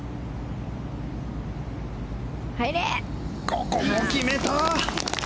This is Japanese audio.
ここも決めた！